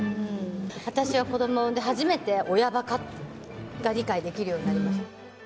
私は子どもを産んで初めて、親バカが理解できるようになりました。